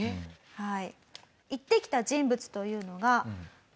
はい。